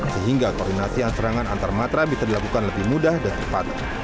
sehingga koordinasi antar serangan antarmatra bisa dilakukan lebih mudah dan cepat